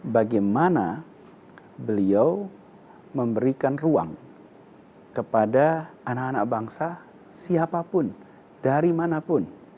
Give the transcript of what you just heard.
bagaimana beliau memberikan ruang kepada anak anak bangsa siapapun dari manapun